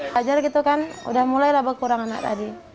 belajar gitu kan udah mulai laba kurang anak tadi